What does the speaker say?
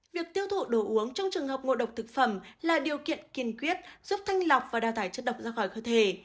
việc tiêu thụ đồ uống trong trường hợp ngộ độc thực phẩm là điều kiện kiên quyết giúp thanh lọc và đào thải chất độc ra khỏi cơ thể